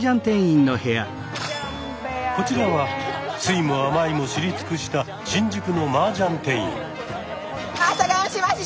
こちらは酸いも甘いも知り尽くした新宿のマージャン店員。